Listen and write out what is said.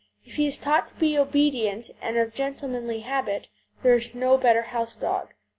If he is taught to be obedient and of gentlemanly habit, there is no better house dog.